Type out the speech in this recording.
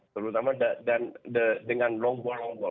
terutama dengan long ball long ball